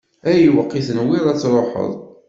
Ayweq i tenwiḍ ad tṛuḥeḍ?